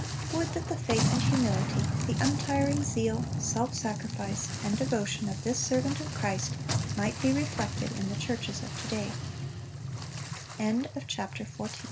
Would that the faith and humility, the untiring zeal, self sacrifice, and devotion of this servant of Christ, might be reflected in the churches of to